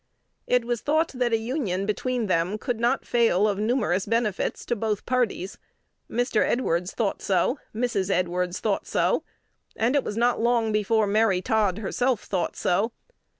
It was thought that a union between them could not fail of numerous benefits to both parties. Mr. Edwards thought so; Mrs. Edwards thought so; and it was not long before Mary Todd herself thought so.